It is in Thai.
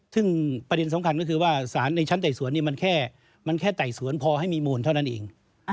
ซึ่งประเด็นสำคัญก็คือว่าสารในชั้นไต่สวนมันแค่ไต่สวนพอให้มีมูลเท่านั้นเอง